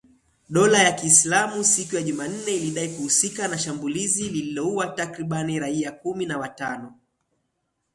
Dola ya Kiislamu siku ya Jumanne lilidai kuhusika na shambulizi lililoua takribani raia kumi na watano.